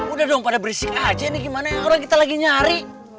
udah dong pada berisik aja ini gimana yang orang kita lagi nyari